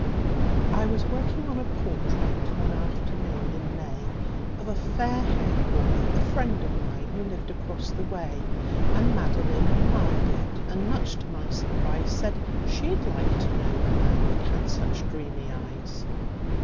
"I was working on a portrait, one afternoon in May, Of a fair haired boy, a friend of mine, who lived across the way. And Madeline admired it, and much to my surprise, Said she'd like to know the man that had such dreamy eyes.